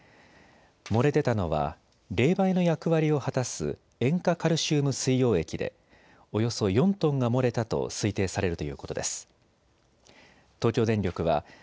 漏れ出たのは冷媒の役割を果たす塩化カルシウム水溶液でおよそ４トンが漏れたと推定されるということです。